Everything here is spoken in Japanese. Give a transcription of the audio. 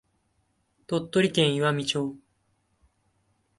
鳥取県岩美町